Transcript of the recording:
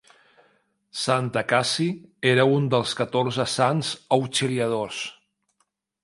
Sant Acaci era un dels catorze sants auxiliadors.